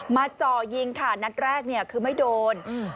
มาเจาะยิงค่ะนัดแรกเนี่ยคือไม่โดน